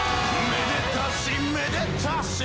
「めでたしめでたし！」